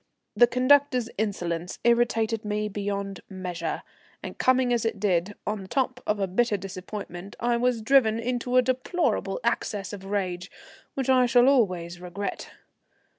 The conductor's insolence irritated me beyond measure, and coming as it did on the top of bitter disappointment I was driven into a deplorable access of rage, which I shall always regret.